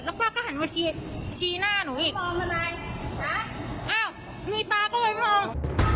ป้าก็หันมาชี้ชีหน้าหนูอีกมองทำไมอ้าวมีตาก็เลยมอง